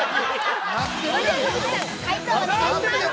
◆それでは樋口さん解答をお願いします。